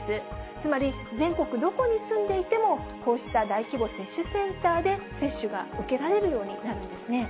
つまり、全国どこに住んでいても、こうした大規模接種センターで接種が受けられるようになるんですね。